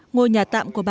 ngồi nhà tạm của bà